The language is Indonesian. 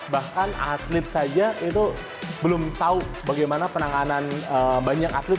bahkan atlet saja itu belum tahu bagaimana penanganan banyak atlet